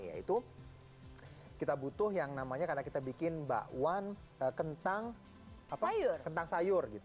yaitu kita butuh yang namanya karena kita bikin bakwan kentang sayur